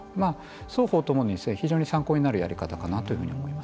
双方共に非常に参考になるやり方かなと思います。